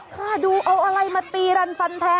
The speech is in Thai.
ค่ะดูเอาอะไรมาตีรันฟันแท้